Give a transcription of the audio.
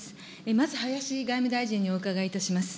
まず林外務大臣にお伺いいたします。